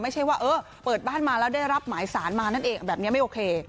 ไม่ใช่ว่าเออเปิดบ้านมาแล้วได้รับหมายสารมานั่นเองแบบนี้ไม่โอเค